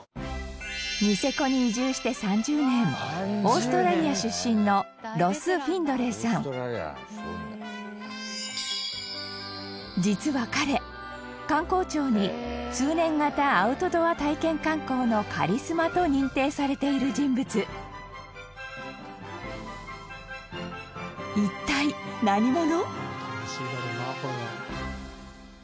ニセコに移住して３０年オーストラリア出身のロス・フィンドレーさん実は彼、観光庁に通年型アウトドア体験観光のカリスマと認定されている人物一体、何者？